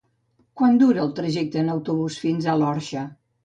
Quant dura el trajecte en autobús fins a l'Orxa?